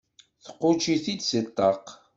Tquǧǧ-it-id seg ṭṭaq.